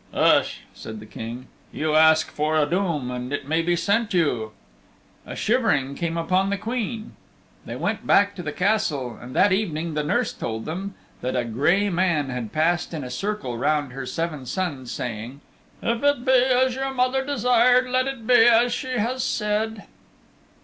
"Hush," said the King. "You ask for a doom, and it may be sent you." A shivering came upon the Queen. They went back to the Castle, and that evening the nurse told them that a gray man had passed in a circle round her seven sons saying, "If it be as your mother desired, let it be as she has said."